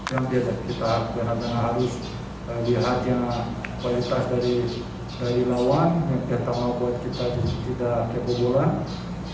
yang pertama buat kita juga tidak kebobolan